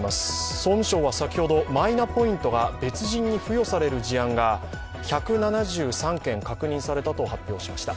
総務省は先ほどマイナポイントが別人に付与される事案が１７３件確認されたと発表しました。